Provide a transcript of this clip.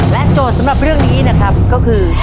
และโจทย์สำหรับเรื่องนี้ก็คือ